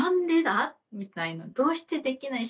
みたいな「どうしてできない？